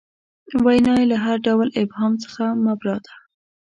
وینا یې له هر ډول ابهام څخه مبرا ده.